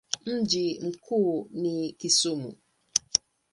Mji mkuu ni Kisumu.